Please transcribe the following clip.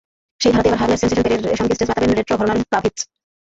সেই ধারাতেই এবার হালের সেনসেশন পেরির সঙ্গে স্টেজ মাতাবেন রেট্রো ঘরানার ক্রাভিৎজ।